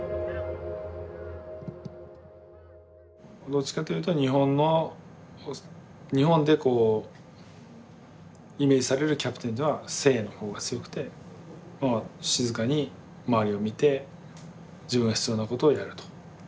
どっちかというと日本の日本でこうイメージされるキャプテンというのは「静」の方が強くて静かに周りを見て自分が必要なことをやると。